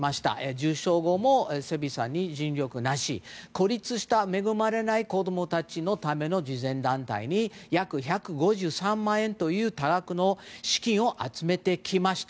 受賞後もセビーさんは尽力し孤立した恵まれない子供たちのための慈善団体に約１５３万円という多額の資金を集めてきました。